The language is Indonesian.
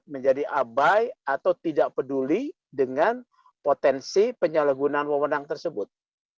menjadi abai atau tidak peduli dengan potensi penyalahgunaan wewenang tersebut